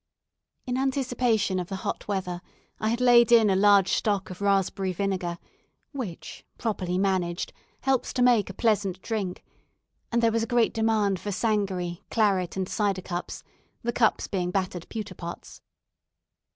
In anticipation of the hot weather, I had laid in a large stock of raspberry vinegar, which, properly managed, helps to make a pleasant drink; and there was a great demand for sangaree, claret, and cider cups, the cups being battered pewter pots.